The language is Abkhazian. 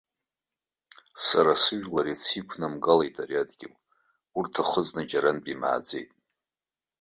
Сара сыжәлар иацы иқәнамгалеит ари адгьыл, урҭ ахыҵны џьарантәи имааӡеит!